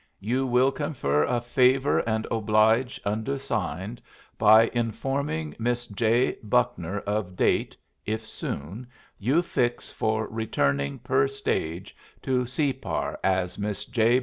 You will confer a favor and oblidge undersigned by Informing Miss J. Buckner of date (if soon) you fix for returning per stage to Separ as Miss J.